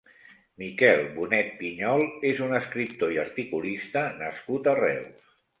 Miquel Bonet Pinyol és un escriptor i articulista nascut a Reus.